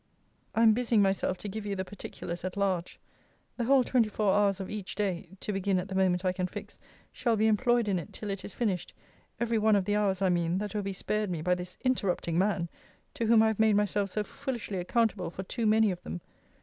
I am busying myself to give you the particulars at large. The whole twenty four hours of each day (to begin at the moment I can fix) shall be employed in it till it is finished: every one of the hours, I mean, that will be spared me by this interrupting man, to whom I have made myself so foolishly accountable for too many of them.